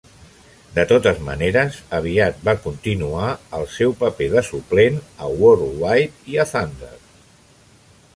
De totes maneres, aviat va continuar el seu paper de suplent a 'WorldWide' i a 'Thunder'.